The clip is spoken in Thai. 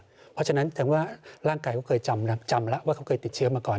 เพราะฉะนั้นถึงว่าร่างกายเขาเคยจำแล้วว่าเขาเคยติดเชื้อมาก่อน